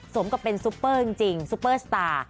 สมกับเป็นซุปเปอร์จริงซุปเปอร์สตาร์